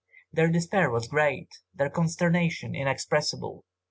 Their despair was great, their consternation inexpressible.